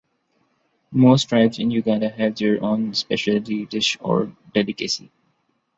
Most tribes in Uganda have their own speciality dish or delicacy.